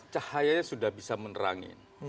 cahayanya sudah bisa menerangi